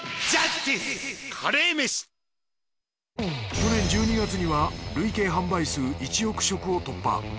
去年１２月には累計販売数１億食を突破。